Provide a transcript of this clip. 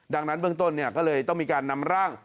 ดังนั้นเบื้องต้นก็เลยต้องมีการนำร่าง